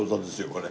これ。